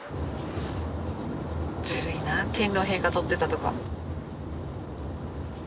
ずるいなあ天皇陛下撮ってたとか。